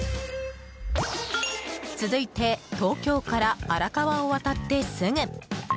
続いて、東京から荒川を渡ってすぐ。